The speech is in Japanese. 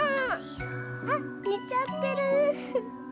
あっねちゃってる。